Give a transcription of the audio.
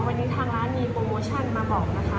วันนี้ทางร้านมีโปรโมชั่นมาบอกนะคะ